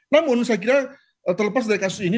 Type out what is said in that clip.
namun saya kira terlepas dari kasus ini